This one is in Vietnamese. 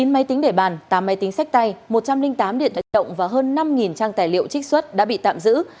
chín máy tính để bàn tám máy tính sách tay một trăm linh tám điện thoại động và hơn năm trang tài liệu trích xuất đã bị tạm giữ